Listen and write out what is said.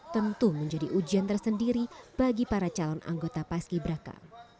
tentu menjadi ujian tersendiri bagi para calon anggota paski braka